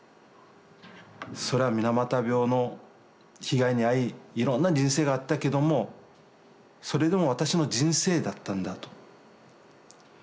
それは水俣病の被害に遭いいろんな人生があったけどもそれでも私の人生だったんだと。